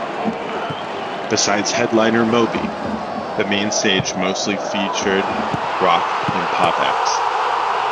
Besides headliner Moby, the main stage mostly featured rock and pop acts.